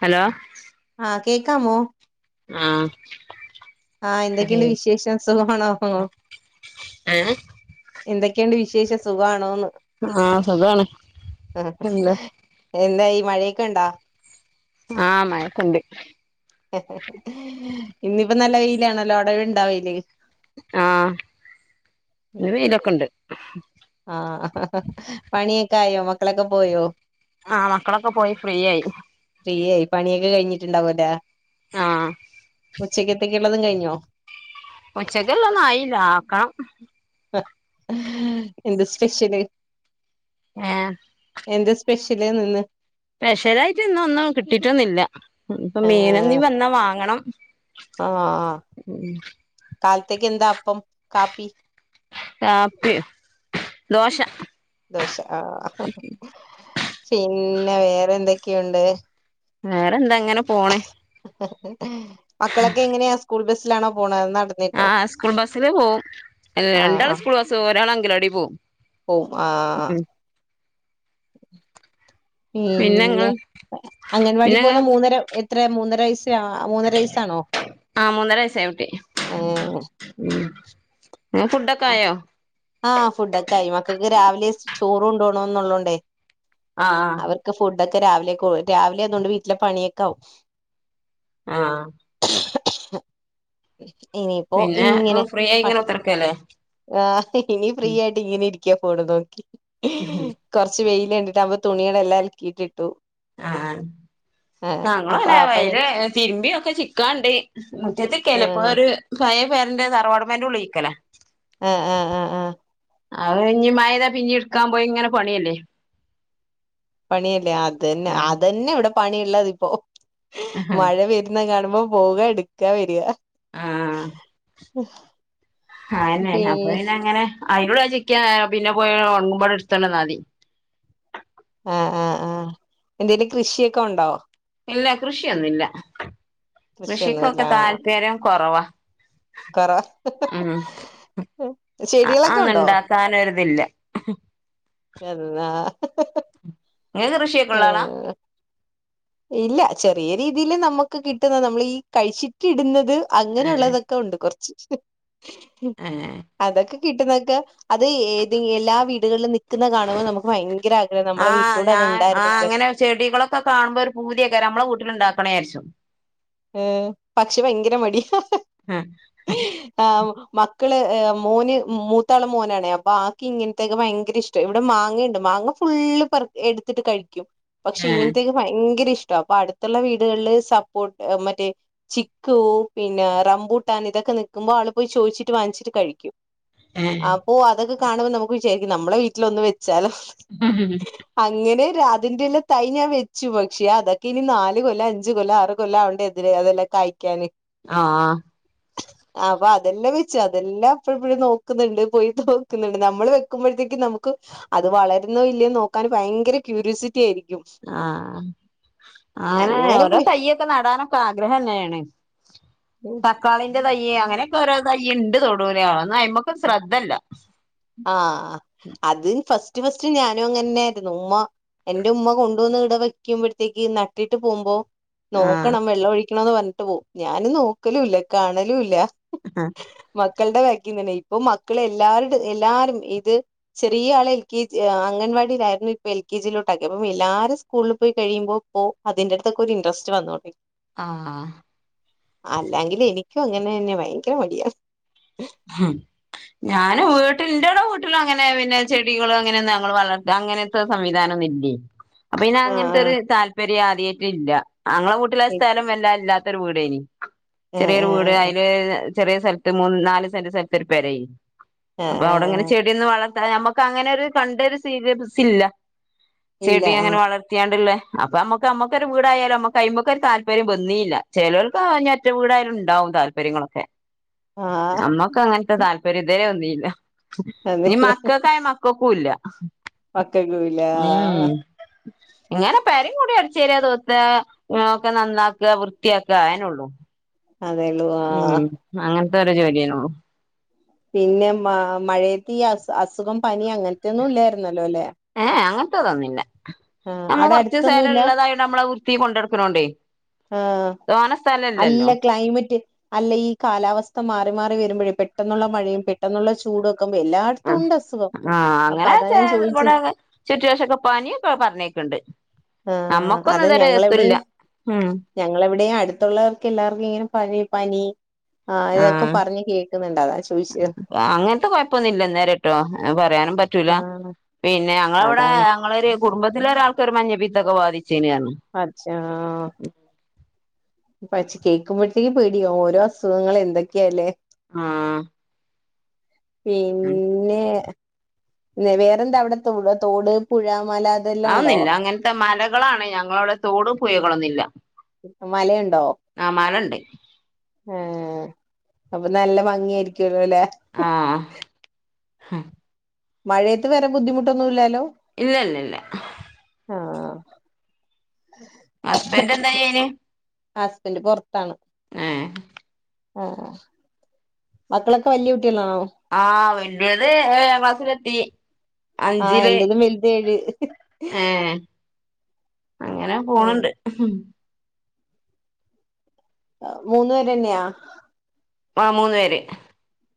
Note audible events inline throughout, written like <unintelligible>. Hello ആഹ് കേക്കാമോ ആഹ് ആഹ് അതെ എന്തൊക്കെയുണ്ട് വിശേഷം സുഖമാണോ ഏഹ് എന്തൊക്കെയണ്ട് വിശേഷ സുഖമാണോന്ന് ആഹ് സുഖാണ് എന്താ എന്താ ഈ മഴയൊക്കെ ഉണ്ടാ ആ മഴക്കണ്ട് ഇന്ന് യിപ്പ നല്ല വെയിലാണല്ലോ അടവി ഇണ്ടാവെയില് ആഹ് വെയിലൊക്കെ ഉണ്ട് ആ പണിയൊക്കെ ആയോ മക്കളൊക്കെ പോയോ ആഹ് മക്കളൊക്കെ പോയി ഫ്രീയായി ഫ്രീയ പണിയൊക്കെ കഴിഞ്ഞിട്ടുണ്ടാവല്ലെ ആഹ് ഉച്ചക്ക് ത്തേക്ക് ഉുള്ളതും കഴിഞ്ഞോ ഉച്ചക്കല്ലന്നും ആയില്ല ആക്കണം എന്താണ് സ്പെഷ്യൽ ഏ എന്താ സ്പെഷ്യല് ഇന്ന് സ്പെഷ്യലായിട്ട് ഇന്നൊന്നും കിട്ടിട്ടൊന്നില്ല ഇപ്പൊ മീന് ആഹ് എന്തെങ്കിലും വന്നാ വാങ്ങണം ആഹ് കാലത്തേക്ക് എന്താ അപ്പം കാപ്പി കാപ്പി ദോശ ദോശ ആ പിന്നെ വേറെ എന്തൊക്കെയുണ്ട് വേറെന്തായങ്ങനെ പോണേ മക്കളൊക്കെയെങ്ങനെയാ സ്കൂൾ ബസ്സിലാണോ പോണേത് ആ.. സ്കൂൾ ബസ്സിലു പോവും. രണ്ടാള് സ്കൂൾ ബസിൽപോകും. ഒരാളംഗൻവാടിയിൽ പോകും ഓ.. ആ പിന്നെങ്ങൾ പിന്നെ, അംഗൻവാടി പിന്നെങ്ങൾ പോന്ന മൂന്നര എത്രയാ മൂന്നരവയസ്, മൂന്നര വയസാണോ, ആഹ് മൂന്നര വയസ്സായ ആ.. ഫുഡൊക്കെയായോ ആ.. ഫുഡൊക്കെ ആയി. മക്കൾക്കുരാവിലെ ചോറു കൊണ്ടുപോണമെന്നുള്ള കൊണ്ടേ ആ.. ആ അതൊക്കെരാവിലേക്കു രാവിലെയതുകൊണ്ടുവീട്ടിലെ പണിയൊക്കെ യാകും. ആ ഇനിയിപ്പോ പിന്നെ ഇങ്ങനെ ഫ്രീ ആയി ഭക്ഷ ഇങ്ങനെ കുത്തർക്കല്ലേ ആ.. ഇനി ഫ്രീയായിട്ടിങ്ങനെ ഇരിക്കാം ഫോണു നോക്കി. കൊറച്ചുവെയി കണ്ടിട്ടപ്പോ തുണികളെല്ലാം അലക്കിയിട്ടിട്ടു ആ.. ആഹ് ആ അപ്പൊ ഞങ്ങളുമങ്ങനെയാ ആ പണി വെയില് തിരുമ്പിയതൊക്കെ ചിക്കാനുണ്ടേ, ആഹ് മുറ്റത്തുചിലപ്പോലൊരു ഭയം പേരുന്റെ തറവാടു പെരൻ്റെ ഉള്ളിൽ ചിക്കലാ അ.. ആ. അ. ആ അതുകഴിഞ്ഞു മഴ പെയ്താ പിന്നെയെടുക്കാൻ പോയിങ്ങനെ പണിയല്ലേ പണിയല്ലേ, അതുതന്നെ ഉം അതുതന്നെയായിവിടെ പണിയുള്ളതിപ്പോ മഴ വരുന്നകാണുമ്പോ അപ്പോ, പോവുക, എടുക്കാ, വരിക.. ആ ഉം ആന്നെ, അപ്പൊപിന്ന ങ്ങനെ അയിനോടെ ചിക്ക്യാ ആ.,. പിന്നെ പോയി ഉണങ്ങുമ്പോളെടുത്തോണ്ടുവന്നാമതി ആ അ.. ആ എന്തേലും കൃഷിയൊക്കെയുണ്ടോ ഇല്ല, കൃഷിയൊന്നുമില്ല. കൃഷിയൊന്നുല്ല കൃഷിയ്ക്കൊക്കെ താല്പര്യം കുറവാ കൊറ ഉം ചെടികളൊക്കെ ഉണ്ടോ അതൊന്നുമുണ്ടാക്കാനൊരിതില്ല <inaudible> <inaudible> നിങ്ങൾക്കു കൃഷിയൊക്കെയുള്ള- യാളാ. ആഹ് ഇല്ല, ചെറിയരീതിയിൽ നമുക്കുകിട്ടുന്ന നമ്മളീകഴിച്ചിട്ടു- ഇടുന്നത്. ഏഹ് അങ്ങനെയുള്ളതൊക്കെയുണ്ട്- കൊറച്ച്, ഏഹ് അതൊക്കെ കിട്ടുന്നതൊക്കെ. അത്.. ഏത്... എല്ലാവീടുകളിലും- നിൽക്കുന്നകാണുമ്പോൾ നമുക്കുഭയങ്കരആഗ്രഹമാ, ആഹ് നമ്മുടെവീട്ടിലൂടെയതു ഞാൻ ണ്ടായിരുന്നെങ്കില്. ചെടികളൊക്കെ കാ- പൂതിയൊക്കെ, നമ്മടെ- വീട്ടിലുണ്ടാക്കണേ വിചാരിച്ചു. ഏ.. പക്ഷേ, ഭയങ്കരമടിയാ ഉം ആ.. ! മക്കള് മോന് മൂത്താളു മോനാണെ, അപ്പൊ ആൾക്കിങ്ങനത്തെ- യൊക്കെഭയങ്കര ഇഷ്ടാ. ഇവിടെമാങ്ങയുണ്ട്, മാ- അങ്ങ്ഫുള്ളെ പറുക്കി ടുത്തിട്ടു കഴിക്കും. ഏഹ് പക്ഷേയിങ്ങനത്തേയൊക്കെ ഭയങ്കരഇഷ്ടാ, അപ്പൊഅടുത്തുള്ള വീടുകളില് സപ്പോ- മറ്റേ ചിക്കൂ പിന്നെ റംബൂട്ടാൻ ഇതൊക്കെ നിക്കുമ്പോൾ ആളു- പോയി ചോദിച്ചിട്ട് വാങ്ങിച്ചിട്ടുകഴിക്കും. ഏഹ് അപ്പോ അതൊക്കെ കാണുമ്പോൾ നമുക്കുവിചാരിക്കും, നമ്മുടെ വീട്ടിലൊന്നും വെച്ചു. പാ.. ങ്ങനെ. അതിന്റെല്ലാം തൈഞാൻ വെച്ചു. പക്ഷേയതൊക്കെ യിനി- നാലുകൊല്ല.. മഞ്ചുകൊല്ല.. മാറുകൊല്ലം. കൊല്ലാവണ്ടേ എന്തിരുഅതെല്ലാം കായ്ക്കാന്. ആ... ! അപ്പൊ അതെല്ലാംവെച്ചു. അതെല്ലാം എപ്പോളുമെപ്പോളും നോക്കുന്നുണ്ട്. പോയി നോക്കുന്നുണ്ട്, നമ്മളു- വെക്കുമ്പോളത്തേക്കും നമുക്ക്- അതുവളരുന്നോ- യില്ലയോന്നുനോക്കാൻ ഭയങ്കര- ക്യൂരിയോസിറ്റി യായിരിക്കും. ആ.. അങ്ങനെ അങ്ങനെയോരോ- പോയി തൈയ്യൊക്കെ നടാനൊക്കെയാഗ്രഹം- തന്നെവേണേ. തക്കാളീന്റെ തൈയ്യ് അങ്ങനെയൊക്കെ- ഓരോതൈയ്യുണ്ടുതൊടു ലയാ ആ... ! അയിമ്മക്ക് ശ്രദ്ധല്ല! ആഹ് അത് ഫസ്റ്റ് ഫസ്റ്റ് ഞാനും അങ്ങന്നായിരുന്നു, ഉമ്മ എന്റെ ഉമ്മ കൊണ്ടുവന്ന് ഇടെ. വെക്കുമ്പോഴത്തേക്ക്. നട്ടിട്ട് പോകുമ്പോ- നോക്കണം ആഹ് വെള്ളം ഒഴിക്കണന്ന്- പറഞ്ഞിട്ട് പോവും. ഞാനൻ നോക്കലുംല്ല കാണലുംല്ല. മക്കളുടെ ബക്കന്നെണെ. ഇപ്പൊ മക്കള് എല്ലാരും, എല്ലാരും ഇത് ചെറിയ ആള എൽ. കെ. ജീ, അംഗൻവാടിലായിരുന്നു, ഇപ്പ എൽ. കെ. ജി. ലോട്ടാക്യപ്പോ, അപ്പ എല്ലാരും സ്കൂളിൽ പോയി കഴിയുമ്പോ, ഇപ്പോ അതിന്റെറട്തൊക്കെ ഒരു- ഇഡ്രാസ്റ്റ് വന്നു. ആഹ.. ! അല്ലെങ്കില് എനിക്കും അങ്ങനെ- അന്നെ ഭയങ്കര മടിയ. ഹം.. ! ഞാനൻ വീട്ടിൽ ന്റോടെ വീട്ടിലും, അങ്ങനെ പിന്നെ ചെടികളും, അങ്ങനത്തെ വളർത്ത- അങ്ങനത്തെ സംവിധാനം. <inaudible> പിന്നെ അങ്ങനത്തെൊരു ആഹ് താല്പര്യം ആദ്യയിട്ടു ഇല്ല. അങ്ങളെ വീട്ടില് സ്ഥലം വല്ലാ ഇല്ലാ. ത്ത വീടേയ്‌ന്ന്, ചെറേ വീട് ആഹ് അയ്‌ല്- ചെറെ സ്ഥലത് - മൂന്ന്, നാല് സെന്റ് സ്ഥലത്ത് ഒരു- പെരേയ്ന്ന് ആഹ് അപ്പൊ അവിടെങ്ങനെ ആഹ് ചെടന്ന് വള- നമുക്ക് അങ്ങനെ ഒരു കണ്ടരു സീരിയസ്നസ്, ഇല്ല ചെടി അങ്ങനെ ആഹ് വളർത്തിയാണ്ട്ള്ളെ. അപ്പൊ അമ്മുക്ക് അമ്മക്ഒരു വീടായാലും അമ്മക്ക് അ്മക്ക ഒരു താല്പര്യം ന്നീല്ല ചെലോൽക്കാ ഒറ്റ വീടായാലുംണ്ടാവും. താൽപര്യങ്ങലെക്കെ. ആഹ് നമ്മക്ക് അങ്ങനത്തെ താൽപര്യം ഇതരെ വന്നില്ല, നീ അതെല്ലേ മക്കോക്കായ മക്കക്കുല്ല. മക്കൾക്കുല്ല ഉം ഇങ്ങനെ പെരി- കൂടി അട്ചേരാ, തോത്ത ഒക്കെ- നന്നാക്ക വൃത്തിയാക്ക, അതേനൊള്ളൂ. അതേള്ളൂ ഉം.. ആഹ് അങ്ങനത്തെ ഒരു ജോലിയന്നൊള്ളൂ! പിന്നെ മ മഴയത്ത് ഈ, അ അസുഖം പനി അങ്ങനത്തെൊന്നും- ഇല്ലായിരുന്നല്ലോ അല്ലെ? ഏഎ അങ്ങനതെ ഇ തൊന്നുഇല്ല! ആഹ് നമ്മ അവിടെ കൊറച്ച് സലം അടുത്തൊന്നുംല്ല ഉള്ളതായ- നമ്മള് വൃത്തി കൊണ്ട്- ന്നടക്കുന്നോണ്ടേ. ആ അല്ല ക്ലൈമറ്റ്, അല്ല ഈ- കാലാവസ്ഥ മാറി മാറി വരുമ്പഴ്. പെട്ടെന്നുള്ള മഴയും, പെട്ടെന്നുള്ള- ചൂടും. എല്ലാട്ത്തുണ്ട് അസുഖം. ആ.. അപ്പൊ അങ്ങനെ അതാ ഒക്കെ ഞാൻ ചോദിച്ചത് ഇവിടെ- ചുറ്റുവശോക്കെ പനി ഇവടൊക്കെ പറഞ്ഞേക്ണ്ട്. ആ അതെ ഞങ്ങളെവ്ടിം ഉം ഞങ്ങളെവ്ടിം അടുത്തുള്ളവർക്ക് എല്ലാർക്കും ഇങ്ങനെ പനി പനി ആ ഇതൊക്കെ പർഞ്ഞ് കേൾക്ക്ണ് അങ്ങൻത്തെ കൊഴ്പ്പൊന്നുല്ലന്നേ രട്ടോ അത് പറയാനും പറ്റൂല. ആ പിന്നെ ഞങ്ങളവ്ടെ അതാണ് ഞങ്ങളെരു കുടുംബത്തിലൊരാൾക്ക് ഒര് മഞ്ഞപ്പിത്തൊക്കെ ബാധി <unintelligible> ച്ചോ. പക്ഷേ കേൾക്കുമ്പോഴത്തേക്ക് പേടിയോ ഓരോ അസുഖങ്ങള് എന്തൊക്കേല്ലേ. ആ പിന്നെ ന്നവേറെന്താ അവിടേ തോ <unintelligible> തോട് പുഴ മല അതെല്ലാം ഉണ്ടോ ഔന്നില്ല അങ്ങൻത്തെ മലകളാണ് ഞങ്ങളവിടെ തോട് പുഴകളൊന്നില്ല. മലയുണ്ടോ ഏ അപ്പൊ നല്ല ഭംഗിയായിരിക്കെ ആ അ മഴയത്ത് വേറെ ബുദ്ധിമുട്ടൊന്നും ഇല്ലേലോ? ഇല്ല ല്ല ല്ല ആ ഹസ്ബെന്റന്താ ചെയ്യ്ന്? ഹസ്ബെന്റ് പൊർത്താണ് ഏ ആ ആ മക്കളൊക്കെ വെല്ല്യകു ആഹ് വല്ല്യത് ഏഴാം ക്ലാസ്സിലെത്തി, ആഹ് അഞ്ചില് എന്റതും വലുത് ഏഴ് ഏ അങ്ങനെ പോണ് ണ്ട് മൂന്നു പേരെന്ന്യാ ആ മൂന്നുപേര്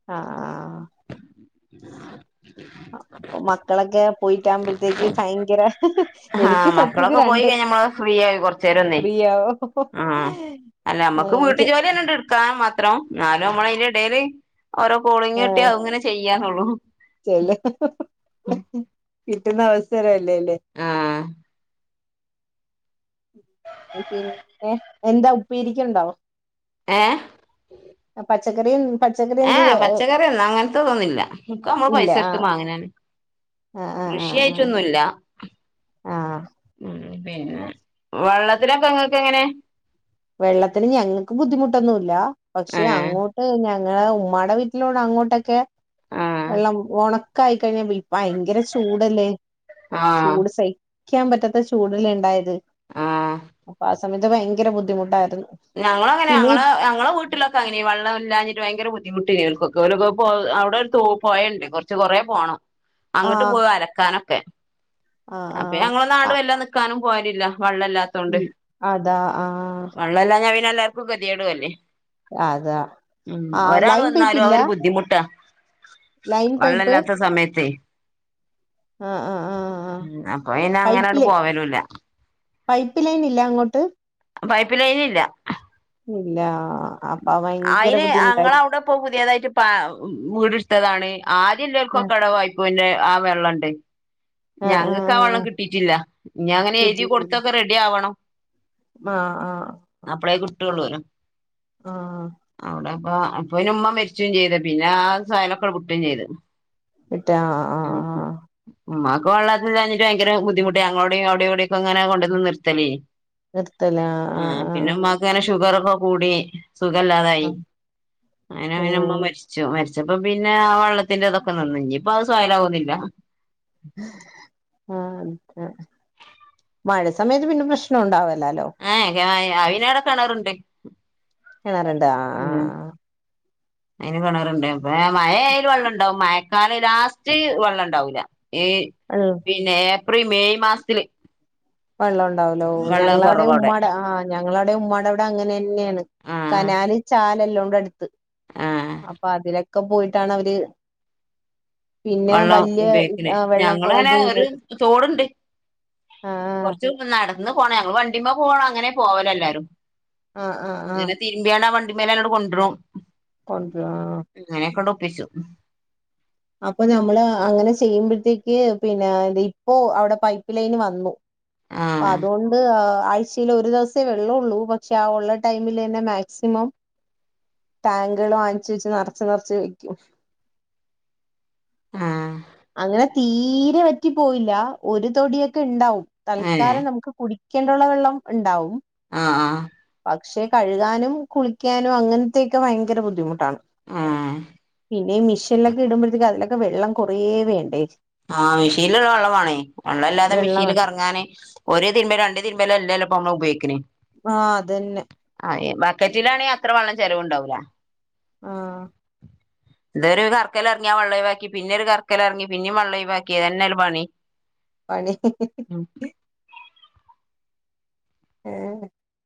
ആ ആ <inaudible> അപ്പൊ മക്കളെക്കെ പോയിട്ടാകുമ്പോഴ്ത്തേക്ക് ഭയങ്കര ആഹ് എനിക്ക് സത്യത്തില് മക്കളൊക്കെ പോയി രണ്ട് കഴിഞ്ഞ നമ്മള് ഫ്രീ ആയി കൊറച്ചേരം ഒന്നേ ആഹ് <unintelligible> ഏ അല്ല നമ്മക്ക് വീട്ട്ജോലിന്നെണ്ട് ഇട്ക്കാമാ ത്രം, ന്നാലും നമ്മളയ്ന്റെടേല് ഓരോ കോളിങ്ങിട്ട്യാ ഔങ്ങനെ ചെയ്യാനുള്ളൂ. ചെല്ല് കിട്ടുന്ന അവസര ലെ ലേ ആഹ് പിന്നെ എന്താ ഉപ്പേരിക്ക്ണ്ടോ? ഏ ച്ചക്കറിം ഏ പച്ചക്കറിയെന്ന അങ്ങൻതെ തൊന്നുല്ല ഒക്കെമ്മള് ഇല്ല പൈസൊട്ത്ത് ആഹ് മാങ്ങനേണ് ആഹ് ആഹ് ആഹ് കൃഷിയായിട്ടൊന്നുല്ല. ആഹ് ഉം പിന്നെ വെള്ളത്തിലൊക്കെങ്ങക്കെങ്ങനെ വെള്ളത്തിന് ഞങ്ങക്ക് ബുദ്ധിമുട്ടൊന്നുല്ല, പക്ഷെ ഏഹ് അങ്ങോട്ട് ഞ ഏ ഉമ്മാടെ വീട്ടിലോടെ അങ്ങോട്ടക്കെ ആഹ് വെള്ളം ഒണക്കായി കഴിഞ്ഞ <unintelligible> ഭയങ്കര ചൂടല്ലേ ആഹ് ചൂട് സഹി ക്കാൻ പറ്റാത്ത ചൂടല്ലേണ്ടായത് ആഹ് അപ്പ ആ സമയത്ത് ഭയങ്കര ബുദ്ധിമുട്ടായിട്ടു ഞങ്ങളങ്ങനെ ഞങ്ങളെ ഞങ്ങളെ വീട്ടിലൊക്കെ അങ്ങനെ വള്ളല്ലാഞ്ഞി ഭയങ്കര ബുദ്ധിമുട്ടേനി ഓൽക്കൊക്കെ ഓലൊക്കെ പോ അവിടെ ഒരു തോ പോയണ്ട് കൊർച്ച് കൊറേ പോണം. അങ്ങട്ട് ആഹ് പോവു അലക്കാനൊക്കെ ആഹ് അപ്പൊ ആഹ് ഞങ്ങളോണ്ട് ആഹ് വല്ല നിക്കാനും പോല് ല്ല. വള്ളല്ലാത്തോണ്ട് ഉം അതാ ആഹ് വള്ളല്ലാഞ്ഞ പിന്നെ എല്ലാർക്കും കെതിയേടും അല്ലേ. അതാ ഉം ആഹ് ഒരാള് ലൈൻ പൈപ്പ് വന്നാലും ഇല്ല ഔഒര് ബുദ്ധിമുട്ടാ ലൈൻ പൈപ്പ് വള്ളല്ലാത്ത സമയത്തേ ആഹ് ആഹ് ആഹ് ആഹ് അപ്പൊ പിന്നങ്ങണ്ട് പൈപ്പില് പോവലുല്ല പൈപ്പ് ലൈൻ ഇല്ല അങ്ങോട്ട് പൈപ്പ് ലൈനില്ല ഇല്ലാ അപ്പ അയിന് അങ്ങളവടെപ്പൊ പുതിയതായിട്ട് പ വീടെടുത്തതാണ് ആഹ് ആദ്യള്ളോൽക്കൊക്കെ <unintelligible> ആ വെള്ളണ്ട് ആഹ് ഞങ്ങക്ക് ആ വെള്ളം ആഹ് കിട്ടിട്ടില്ല ഞ്ഞി അങ്ങനെ എയ്തി കൊടുത്തൊക്കെ റെഡി ആവണം ആ ആ <unintelligible> ആ ആ അ അപ്പ പിന്നെ ഉമ്മ മരിച്ചും ചെയ്ത് പിന്നെ ആ സയലൊക്കെ വിട്ടും ചെയ്ത് ഇട്ട ആ ആ ആ മ്മാക്ക് വെള്ളം ഇല്ലാഞ്ഞിട്ട് ഭയങ്കര ബുദ്ധിമുട്ടെ ഞങ്ങളോടെ അവടെ ഇവിടെക്കെ ങ്ങനെ കൊണ്ട്ന്ന് നിർത്തലേയ്നി നിർത്തല ആ ആഹ് പിന്നെ ആഹ് മ്മാക്ക്ങ്ങനെ ഷുഗറ് ക്കെ കൂടി സുഖല്ലാതായി ആഹ് അങ്ങനെ ഓ പിന്നെ മ്മ മരിച്ചു മരി രിച്ചപ്പ പിന്നെ ആ വെള്ളത്തിന്റെ ഇതൊക്കെ നിന്നു ഇനിയിപ്പ അത് സൊയലാകൊന്നില്ല ആഹ് മഴ സമയത്ത് പിന്നെ പ്രശ്നം ഒണ്ടാവെ ആ അയിനവടെ കെണറ്ണ്ട് കെണറ്ണ്ടോ ആ ആ അയ്ന് കെണറ്ണ്ട് അ മയയാല് വെള്ള ണ്ടാവും മഴക്കാലം ലാസ്റ്റ് വെള്ളണ്ടാവൂല്ല ഏ ആഹ് വെള്ളം പിന്നെ ഏപ്രിൽ മെയ് മാസത്തില് വെള്ളണ്ടാവൂല ഓ വെള്ളം ഞങ്ങളാടെ കുറവവിടെ ഉമ്മാടെ ആ ഞങ്ങള ടെ ഉമ്മാടെവ്ടെ അങ്ങനെന്നേണ് ആ കനാലും ചാലെല്ലാം ഉണ്ട് അട്ത്ത് ആ അപ്പൊ അതിലെക്കെ പോയിട്ടാണവര് വള്ളം ഉപയോഗിക്കല് ഞങ്ങളാടെ ഇത് ഒരു ചെയ്യുന്നത് തോട്ണ്ട് ആഹ് കൊറ്ച്ച് <unintelligible> നടന്ന് പോണം ഞങ്ങള് വണ്ടിമ്മെപോകാണെ അങ്ങനെ പോവലെല്ലാരും ആഹ് ആഹ് ആഹ് ന്നിട്ട് തിരുമ്പ്യാണ്ട് ആ വണ്ടിമ്മെലണ്ട്കൊണ്ട്രും കൊണ്ട്രോ ആ പിച്ചു അപ്പൊ നമ്മള് അങ്ങനെ ചെയ്യുമ്പൊഴ്ത്തേക്ക് പിന്നേ തിപ്പോ അവിടെ പൈപ്പ്ലൈന് വന്ന് ആ പ്പ അതോണ്ട് ആ ആഴ്ചയിലൊരുദിവസേ വെള്ളൊള്ളൂ പക്ഷെ ആഒള്ള ടൈമിലെന്നെ മാക്സിമം ടാങ്കുകൾ വാങ്ങിച്ച് വെച്ച് നറച്ച് നറച്ച് വെക്കും ആ അങ്ങനെ തീരെവറ്റിപോയില്ലാ ഒരു തൊടിയൊക്കെണ്ടാവും ഏ തൽക്കാലം നമുക്ക് കുടിക്കേണ്ടുള്ള വെള്ളംണ്ടാവും ആ പക്ഷെ കഴുകാനും കുളിക്കാനും അങ്ങൻത്തെക്കെ ഭയങ്കര ബുദ്ധിമുട്ടാണ് ആ പിന്നെഈ മിഷനിലൊക്കെ ഇടുമ്പോഴേക്ക് അതിലക്കെ വെള്ളം കുറെ വേണ്ടേ ആ മെഷീൻല്ടാ വെള്ളം വാണേ വള്ളംല്ലാതെ വെള്ളം മിഷീൻല് കറങ്ങാന് ഒര് തിര്മ്പല് രണ്ട് തിര്മ്പല്ലല്ലൊ പ്പമ്മള് ഉപയോഗിക്ക്ണ് ആ അതെന്നെ ഏ ബക്കറ്റിലാണേ അത്രവള്ളം ചെലവുണ്ടാവുല ആ ഇതൊരു കർക്കലറങ്ങിയാ വള്ളൊയ് വാക്കി പിന്നൊരു കർക്കലറ്ങ്ങി പിന്നെ വള്ളൊയ് വാക്കി ഇതന്നെല്ലേ പണി പണി ഉം ഏ